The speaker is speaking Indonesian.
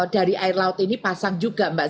dari air laut ini pasang juga mbak